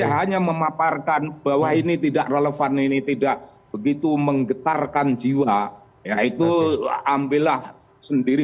hanya memaparkan bahwa ini tidak relevan ini tidak begitu menggetarkan jiwa yaitu ambillah sendiri